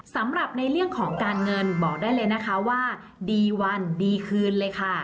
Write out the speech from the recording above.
สำหรับในเรื่องของการเงินบอกได้เลยนะคะว่าดีวันดีคืนเลยค่ะ